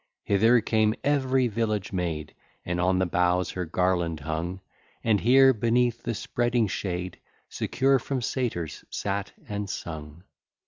Hither came every village maid, And on the boughs her garland hung, And here, beneath the spreading shade, Secure from satyrs sat and sung.